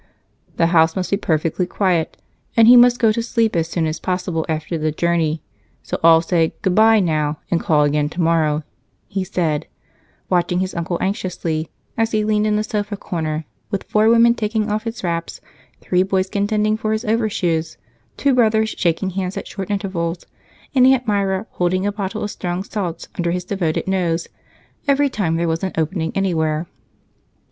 "The house must be perfectly quiet, and he must go to sleep as soon as possible after the journey, so all say 'good bye' now and call again tomorrow," he said, watching his uncle anxiously as he leaned in the sofa corner, with four women taking off his wraps, three boys contending for his overshoes, two brothers shaking hands at short intervals, and Aunt Myra holding a bottle of strong salts under his devoted nose every time there was an opening anywhere.